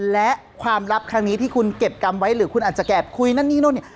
และความลับครั้งนี้ที่คุณเก็บกรรมไว้หรือคุณอาจจะแอบคุยนั่นนี่นู่นนี่